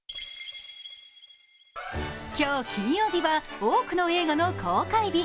今日金曜日は多くの映画の公開日。